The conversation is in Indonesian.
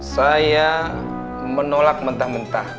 saya menolak mentah mentah